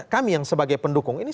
kami yang sebagai pendukung ini